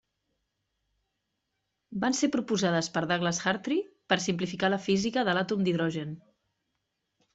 Van ser proposades per Douglas Hartree per simplificar la física de l'àtom d'hidrogen.